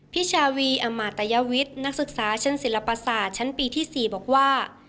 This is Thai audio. ชาวีอมาตยวิทย์นักศึกษาชั้นศิลปศาสตร์ชั้นปีที่๔บอกว่า